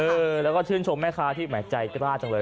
เออแล้วก็ชื่นชมแม่ค้าที่แหมใจกล้าจังเลย